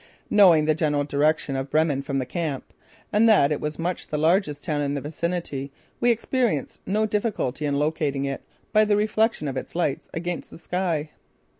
Knowing the general direction of Bremen from the camp, and that it was much the largest town in the vicinity, we experienced no difficulty in locating it by the reflection of its lights against the sky.